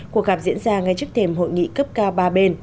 cuộc gặp diễn ra ngay trước thềm hội nghị cấp cao ba bên